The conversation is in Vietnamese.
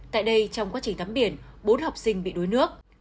tại đây trong quá trình tắm biển bốn học sinh bị đuối nước